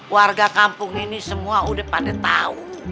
warga kampung ini semua udah pada tahu